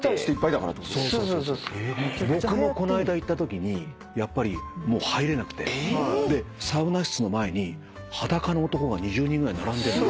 僕もこないだ行ったときにやっぱり入れなくてサウナ室の前に裸の男が２０人ぐらい並んでんの。